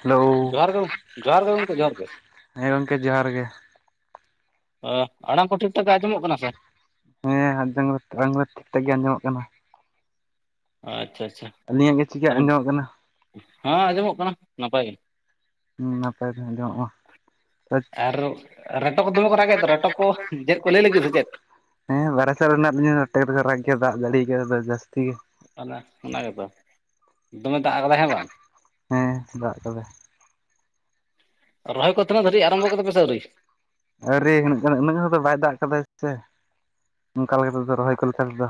Hello, ᱡᱚᱦᱟᱨ ᱜᱮ ᱡᱚᱦᱟᱨ ᱜᱮ ᱜᱚᱢᱠᱮ ᱡᱚᱦᱟᱨ ᱜᱮ ᱦᱮᱸ ᱜᱚᱢᱠᱮ ᱡᱚᱦᱟᱨ ᱜᱮ᱾ ᱟᱸ ᱟᱲᱟᱝ ᱠᱚ ᱴᱷᱤᱠ ᱴᱷᱟᱠ ᱟᱸᱡᱚᱢᱚᱜ ᱠᱟᱱᱟ ᱥᱮ? ᱦᱮᱸ ᱦᱟᱱᱛᱮ [unintelligible] ᱟᱲᱟᱝ ᱠᱚᱫᱚ ᱴᱷᱤᱠ ᱴᱷᱟᱠ ᱜᱮ ᱟᱸᱡᱚᱢᱚᱜ ᱠᱟᱱᱟ᱾ ᱟᱪᱪᱷᱟ ᱟᱪᱪᱷᱟ᱾ ᱟᱹᱞᱤᱧᱟᱜ ᱜᱮ ᱪᱤᱠᱟ ᱟᱸᱡᱚᱢᱚᱜ ᱠᱟᱱᱟ? ᱦᱚᱸ ᱟᱸᱡᱚᱢᱚᱜ ᱠᱟᱱᱟ ᱱᱟᱯᱟᱭ ᱜᱮ᱾ ᱩᱸ ᱱᱟᱯᱟᱭ ᱛᱮ ᱟᱸᱡᱚᱢᱚᱜᱼᱟ᱾ ᱟᱨ ᱟᱨ ᱨᱮᱴᱚ ᱠᱚ ᱫᱚᱢᱮ ᱠᱚ ᱨᱟᱜᱮᱫ ᱫᱚ ᱨᱮᱴᱚᱠ ᱠᱚ ᱪᱮᱫ ᱠᱚ ᱞᱟᱹᱭ ᱞᱟᱹᱜᱤᱫ ᱟᱥᱮ ᱪᱮᱫ? ᱦᱮᱸ ᱵᱟᱨᱦᱮ ᱥᱮᱫ ᱨᱮ ᱦᱮᱱᱟᱜ ᱞᱤᱧᱟ ᱨᱚᱴᱮ ᱠᱚᱫᱚ ᱠᱚ ᱨᱟᱜᱽ ᱜᱮᱭᱟ ᱫᱟᱜ ᱡᱟᱲᱤ ᱠᱟᱫᱟᱭ ᱛᱚ ᱡᱟᱹᱥᱛᱤ ᱜᱮ᱾ ᱛᱟᱦᱚᱞᱮ ᱚᱱᱟ ᱜᱮᱛᱚ ᱫᱚᱢᱮ ᱫᱟᱜ ᱠᱟᱫᱟᱭ ᱦᱮᱸ ᱵᱟᱝ᱾ ᱦᱮᱸ ᱫᱟᱜ ᱠᱟᱫᱟᱭ᱾ ᱨᱚᱦᱚᱭ ᱠᱚ ᱛᱤᱱᱟᱹᱜ ᱫᱷᱟᱹᱨᱤᱡ ᱟᱨᱟᱢᱵᱚ ᱠᱮᱫᱟᱯᱮ ᱥᱮ ᱟᱣᱨᱤ? ᱟᱹᱣᱨᱤ ᱤᱱᱟᱹᱜ ᱤᱱᱟᱹᱜ ᱤᱱᱟᱹᱜ ᱠᱟᱛᱮ ᱫᱚ ᱵᱟᱭ ᱫᱟᱜ ᱠᱟᱫᱟ ᱥᱮ ᱚᱱᱠᱟ ᱞᱮᱠᱟ ᱛᱮᱫᱚ ᱨᱚᱦᱚᱭ ᱠᱚᱫᱚ ᱛᱟᱦᱚᱞᱮ ᱛᱮ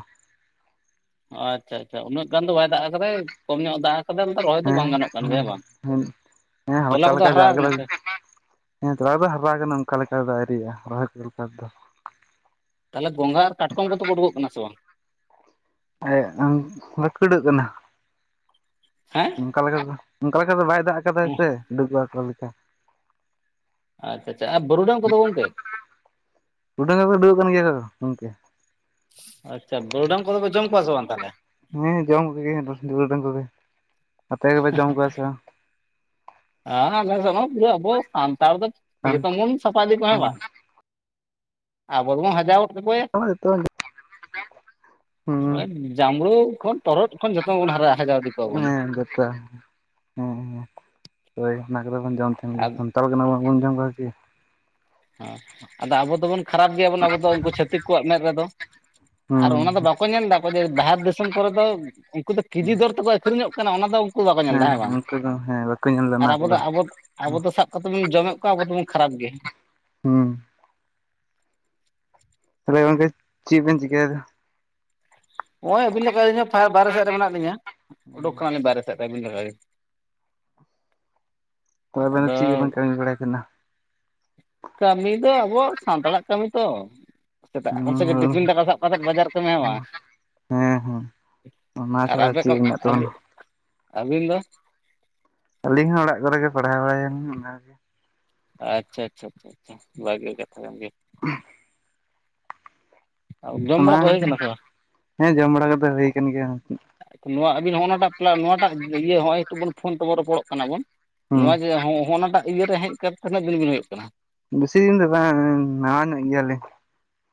ᱟᱪᱪᱷᱟ ᱟᱪᱪᱷᱟ ᱩᱱᱟᱹᱜ ᱜᱟᱱ ᱫᱚ ᱵᱟᱭ ᱫᱟᱜ ᱠᱟᱫᱟᱭ ᱠᱚᱢ ᱧᱚᱜ ᱫᱟᱜ ᱠᱟᱫᱟᱭ ᱚᱱᱟᱛᱮ ᱨᱚᱦᱚᱭ ᱫᱚ ᱵᱟᱝ ᱜᱟᱱᱚᱜ ᱠᱟᱱ ᱜᱮᱭᱟ ᱦᱮᱸ ᱵᱟᱝ᱾ ᱦᱮᱸ ᱦᱟᱞᱠᱟ ᱛᱚᱞᱟ ᱠᱚ ᱫᱚ ᱦᱟᱞᱠᱟ ᱫᱟᱜ ᱦᱟᱨᱟ ᱠᱟᱱᱟ ᱠᱟᱫᱟᱭ ᱥᱮ? ᱦᱮᱸ ᱛᱚᱞᱟ ᱠᱚ ᱫᱚ ᱦᱟᱨᱟ ᱠᱟᱱᱟ ᱚᱝᱠᱟ ᱞᱮᱠᱟ ᱫᱚ ᱟᱣᱨᱤᱭᱟᱜ-ᱟ ᱨᱚᱦᱚᱭ ᱠᱚ ᱞᱮᱠᱟ ᱛᱮ ᱫᱚ᱾ ᱛᱟᱦᱟᱞᱮ ᱜᱚᱸᱜᱷᱟ ᱟᱨ ᱠᱟᱴᱠᱚᱢ ᱠᱚ ᱫᱚ ᱠᱚ ᱩᱰᱩᱠᱚᱜ ᱠᱟᱱᱟ ᱥᱮ ᱵᱟᱝ? ᱮ ᱟᱢ ᱵᱟᱠᱩᱲᱟᱹ ᱠᱟᱱᱟ᱾ ᱦᱮᱸ ᱚᱱᱠᱟ ᱞᱮᱠᱟ ᱫᱚ ᱚᱱᱠᱟ ᱞᱮᱠᱟ ᱫᱚ ᱵᱟᱭ ᱫᱟᱜ ᱠᱟᱫᱟ ᱥᱮ ᱰᱩᱜᱟᱹᱦᱟᱠᱩ ᱞᱮᱠᱟ᱾ ᱟᱪᱪᱷᱟ ᱟᱪᱪᱷᱟ ᱟᱨ ᱵᱮᱨᱩᱰᱟᱝ ᱠᱚ ᱫᱚ ᱜᱚᱢᱠᱮ ᱵᱮᱨᱩᱰᱟᱝ ᱦᱚᱠᱚ ᱩᱰᱩᱭᱚᱜ ᱠᱟᱱ ᱜᱮᱭᱟ ᱠᱚ ᱜᱚᱢᱠᱮ᱾ ᱟᱪᱪᱷᱟ ᱵᱟᱨᱩᱰᱟᱝ ᱠᱚᱫᱚ ᱯᱮ ᱡᱚᱢ ᱠᱚᱣᱟ ᱥᱮ ᱵᱟᱝ ᱛᱟᱦᱚᱞᱮ? ᱦᱮᱸ ᱡᱚᱢ ᱠᱚᱜᱮᱭᱟᱞᱮ ᱵᱟᱨᱩᱰᱟᱹᱱ ᱠᱚᱜᱮᱭᱟᱞᱮ, ᱟᱯᱮ ᱜᱮᱯᱮ ᱡᱚᱢ ᱠᱚᱣᱟ ᱥᱮ ᱵᱟᱝ? ᱦᱮᱸ ᱟᱞᱥᱮᱱ ᱦᱚᱸ ᱯᱩᱨᱟᱹ ᱟᱵᱚ ᱥᱟᱱᱛᱟᱲ ᱫᱚ ᱵᱟᱝ? ᱡᱷᱚᱛᱚᱢ ᱵᱚᱱ ᱥᱟᱯᱷᱟ ᱫᱤ ᱠᱚᱣᱟ ᱦᱮᱸ ᱵᱟᱝ᱾ ᱟᱵᱚ ᱫᱚᱵᱚᱱ ᱦᱟᱡᱟᱣ ᱜᱚᱫ ᱠᱟᱠᱚᱣᱟᱭᱟ᱾ ᱡᱚᱛᱚ ᱦᱩᱸ [unintelligible] ᱡᱟᱢᱲᱳ ᱠᱷᱚᱱ ᱛᱚᱨᱦᱚᱫ ᱠᱷᱚᱱ ᱡᱷᱚᱛᱚᱢ ᱵᱚᱱ ᱦᱟᱨᱟᱜᱼᱟ ᱦᱮᱸ ᱡᱷᱚᱛᱚ ᱦᱮᱸ ᱦᱮᱸ ᱦᱳᱭ ᱚᱱᱟ ᱠᱚᱫᱚ ᱵᱚᱱ ᱡᱚᱢ ᱛᱟᱦᱮᱱ ᱜᱮᱭᱟ ᱟᱫ ᱥᱟᱱᱛᱟᱲ ᱠᱟᱱᱟ ᱵᱚᱱ ᱵᱟᱵᱚᱱ ᱡᱚᱢ ᱠᱚᱣᱟ ᱠᱤ ᱦᱮᱸ ᱟᱫᱚ ᱟᱵᱚ ᱫᱚᱵᱚᱱ ᱠᱷᱟᱨᱟᱯ ᱜᱮᱭᱟ ᱵᱚᱱ ᱟᱵᱚ ᱫᱚ ᱩᱱᱠᱩ ᱪᱷᱟᱹᱛᱤᱠ ᱠᱚᱣᱟᱜ ᱢᱮᱸᱫ ᱨᱮ ᱫᱚ ᱟᱨ ᱚᱱᱟ ᱦᱩᱸ ᱫᱚ ᱵᱟᱠ ᱠᱚ ᱧᱮᱞ ᱫᱟᱠᱚ ᱡᱮ ᱵᱟᱦᱟᱨ ᱫᱤᱥᱚᱢ ᱠᱚᱨᱮ ᱫᱚ ᱩᱱᱠᱩ ᱫᱚ ᱠᱮᱡᱤ ᱫᱚᱨ ᱛᱮᱠᱚ ᱟᱹᱠᱷᱨᱤᱧᱚᱜ ᱠᱟᱱᱟ ᱚᱱᱟ ᱫᱚ ᱩᱱᱠᱩ ᱫᱚ ᱵᱟᱠᱚ ᱧᱮᱞ ᱫᱟ ᱦᱮᱸ ᱵᱟᱝ ᱩᱱᱠᱩ ᱫᱚ ᱦᱮᱸ ᱵᱟᱠᱚ ᱧᱮᱞ ᱞᱮᱫᱟ ᱟᱨ ᱚᱱᱟ ᱟᱵᱚ ᱫᱚ ᱠᱚᱫᱚ ᱟᱵᱚ ᱟᱵᱚ ᱫᱚ ᱥᱟᱵ ᱠᱟᱛᱮᱫ ᱵᱚᱱ ᱡᱚᱢᱮᱫ ᱠᱚᱣᱟ ᱟᱵᱚ ᱫᱚᱵᱚᱱ ᱠᱷᱟᱨᱟᱯ ᱜᱮᱭᱟ᱾ ᱦᱚᱸ ᱛᱟᱦᱚᱞᱮ ᱜᱚᱢᱠᱮ ᱪᱮᱫ ᱵᱮᱱ ᱪᱤᱠᱟᱹᱭᱮᱫᱟ? ᱦᱚᱜ-ᱚᱭ ᱟᱹᱵᱤᱱ ᱞᱮᱠᱟ ᱟᱞᱤᱧ ᱦᱚᱸ ᱯᱟᱭᱟᱨ ᱵᱟᱭᱨᱮ ᱥᱮ ᱨᱮ ᱢᱮᱱᱟᱜ ᱞᱤᱧᱟ ᱳᱰᱳᱠ ᱠᱟᱱᱟᱞᱤᱧ ᱵᱟᱭᱨᱮ ᱥᱮᱫ ᱨᱮ ᱟᱹᱵᱤᱱ ᱞᱮᱠᱟ ᱜᱮ᱾ ᱛᱚᱵᱮ ᱟᱵᱤᱱ ᱫᱚ ᱟᱫᱚ ᱪᱤᱫ ᱠᱚᱵᱤᱱ ᱠᱟᱢᱤ ᱵᱟᱲᱟᱭ ᱠᱟᱱᱟ? ᱠᱟᱢᱤ ᱫᱚ ᱟᱵᱚᱣᱟᱜ ᱥᱟᱱᱛᱟᱲᱟᱜ ᱠᱟᱢᱤ ᱛᱚ ᱥᱮᱛᱟᱜ ᱟᱠᱟᱱ ᱥᱮ ᱦᱩᱸ ᱴᱤᱯᱷᱤᱱ ᱫᱟᱠᱟ ᱥᱟᱵ ᱠᱟᱛᱮᱫ ᱵᱟᱡᱟᱨ ᱠᱟᱢᱤ ᱦᱮᱸ ᱵᱟᱝ᱾ ᱦᱮᱸ ᱦᱮᱸ ᱚᱱᱟ ᱟᱨ ᱪᱷᱟᱲᱟ ᱟᱵᱮ ᱠᱚ ᱪᱮᱫ ᱢᱮᱱᱟᱜ ᱟᱵᱤ ᱛᱟᱵᱚᱱᱟ ᱟᱵᱤᱱ ᱫᱚ ᱟᱹᱞᱤᱧ ᱦᱚᱸ ᱚᱲᱟᱜ ᱠᱚᱨᱮᱜ ᱜᱮ ᱯᱟᱲᱦᱟᱣ ᱵᱟᱲᱟᱭᱟᱞᱤᱧ ᱚᱱᱟ ᱜᱮ᱾ ᱟᱪᱪᱷᱟ ᱟᱪᱪᱷᱟ ᱟᱪᱪᱷᱟ ᱟᱪᱪᱷᱟ ᱵᱷᱟᱹᱜᱮ ᱠᱟᱛᱷᱟ ᱠᱟᱱ ᱜᱮᱭᱟ᱾ [unintelligible] ᱡᱚᱢ ᱚᱱᱟ ᱵᱟᱲᱟ ᱦᱩᱭ ᱠᱚ ᱠᱟᱱᱟ ᱥᱮ ᱵᱟᱝ ᱦᱮᱸ ᱡᱚᱢ ᱵᱟᱲᱟ ᱠᱚᱫᱚ ᱦᱩᱭ ᱠᱟᱱ ᱜᱮᱭᱟ ᱾ ᱱᱚᱣᱟ ᱟᱵᱤᱱ ᱦᱚᱸᱜᱚ ᱱᱚᱣᱟᱴᱟᱜ ᱱᱚᱣᱟᱴᱟᱜ ᱤᱭᱟᱹ ᱦᱚᱸᱜᱚᱭ ᱱᱤᱛᱳᱜ ᱵᱚᱱ ᱯᱷᱳᱱ ᱛᱮᱵᱚᱱ ᱨᱚᱯᱚᱲᱚᱜ ᱠᱟᱱᱟ ᱵᱚᱱ ᱦᱩᱸ ᱱᱚᱣᱟ ᱡᱮ ᱦᱚᱸᱜᱚᱱᱟᱴᱟᱜ ᱤᱭᱟᱹ ᱨᱮ ᱦᱮᱡ ᱠᱟᱛᱮᱫ ᱛᱤᱱᱟᱹᱜ ᱫᱤᱱ ᱵᱤᱱ ᱦᱳᱭᱳᱜ ᱠᱟᱱᱟ᱾ ᱵᱤᱥᱤ ᱫᱤᱱ ᱫᱚ ᱵᱟᱝ ᱱᱟᱣᱟ ᱧᱚᱜ ᱜᱮᱭᱟᱹᱞᱤᱧ᱾